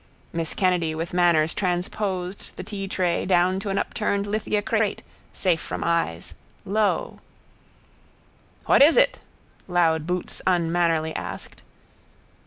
Miss Kennedy with manners transposed the teatray down to an upturned lithia crate, safe from eyes, low. —What is it? loud boots unmannerly asked.